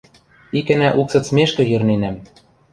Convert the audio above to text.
Икӓнӓ уксыцмешкӹ йӹрненӓм...